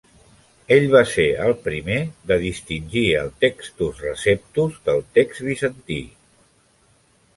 Ell va ser el primer de distingir el "Textus Receptus" del text bizantí.